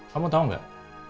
kamu tahu gak